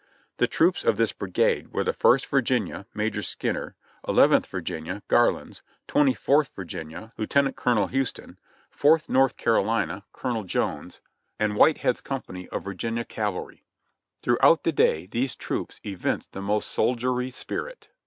The troops of this brigade were the First Virginia (Major Skinner), Eleventh Virginia (Garland's), Twenty fourth Virginia (Lieuten ant Colonel Houston), Fourth North Carolina (Colonel Jones), 68 JOHNNY REB AND BILLY YANK and Whitehead's company of Virginia cavahy. Throughout the day these troops evinced the most soldierly spirit.